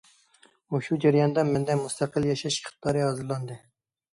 مۇشۇ جەرياندا مەندە مۇستەقىل ياشاش ئىقتىدارى ھازىرلاندى.